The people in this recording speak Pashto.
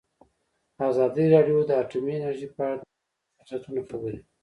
ازادي راډیو د اټومي انرژي په اړه د مخکښو شخصیتونو خبرې خپرې کړي.